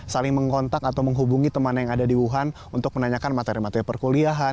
saling mengontak atau menghubungi teman yang ada di wuhan untuk menanyakan materi materi perkuliahan